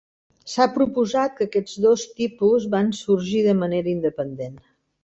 S'ha proposat que aquests dos tipus van sorgir de manera independent.